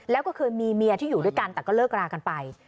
แล้วก็เคยมีเมียที่อยู่ด้วยกันแต่ก็เลิกรากันไป